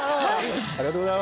ありがとうございます。